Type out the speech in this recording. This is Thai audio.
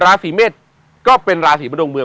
ราศีเมษก็เป็นราศีบนดวงเมือง